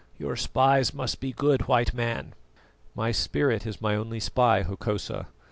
Your spies must be good, White Man." "My spirit is my only spy, Hokosa.